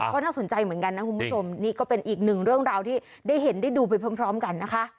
ก็น่าสนใจเหมือนกันนะคุณผู้ชมนี่ก็เป็นอีกหนึ่งเรื่องราวที่ได้เห็นได้ดูไปพร้อมกันนะคะ